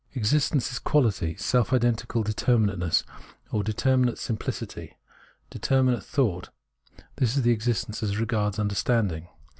Existence is Quality, self identical determinateness, or determinate simpH city, determinate thought : this is existence as regards Understanding.